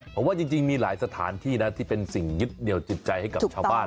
ผมว่าจริงมีหลายสถานที่นะที่เป็นสิ่งยึดเหนียวจิตใจให้กับชาวบ้าน